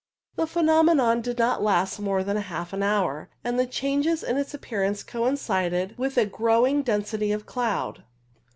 The phe nomenon did not last more than half an hour, and the changes in its appearance coincided with a Si << X < J o to HALOS 23 growing density of cloud.